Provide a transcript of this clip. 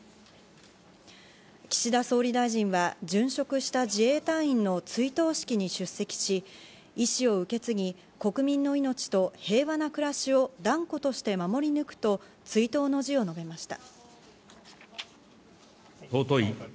岸田総理大臣は殉職した自衛隊の追悼式に出席し、遺志を受け継ぎ、国民の命と平和な暮らしを断固として守り抜くと追悼の辞を述べました。